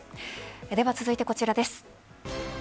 では、続いてこちらです。